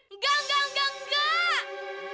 enggak enggak enggak enggak